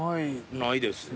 ないですね。